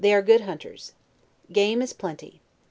155 are good hunters. Game is plenty.